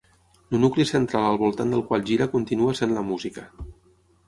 El nucli central al voltant del qual gira continua sent la música.